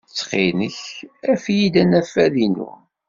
Ttxil-k, af-iyi-d anafad-inu.